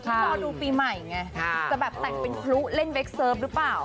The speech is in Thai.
รอดูปีใหม่ไงจะแบบแต่งเป็นพลุเล่นเบคเซิร์ฟหรือเปล่า